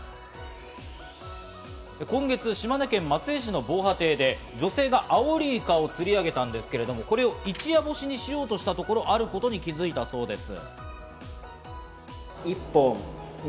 今月、島根県松江市の防波堤で女性がアオリイカを釣り上げたんですけれども、これを一夜干しにしようとしたところ、あることに気づいたそうです。